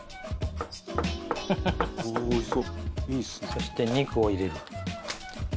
そして肉を入れる。